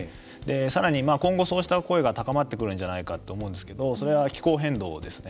さらに、今後、そうした声が高まってくるんじゃないかと思うんですけどそれは気候変動ですね。